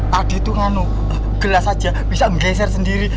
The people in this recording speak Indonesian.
tadi tuh gak ada gelas aja bisa ngegeser sendiri